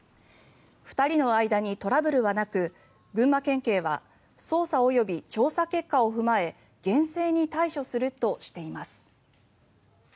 ２人の間にトラブルはなく群馬県警は捜査及び調査結果を踏まえ厳正に対処するとしています。